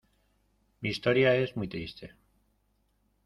¡ mi historia es muy triste!